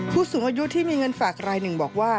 ผู้สูงอายุที่มีเงินฝากรายหนึ่งบอกว่า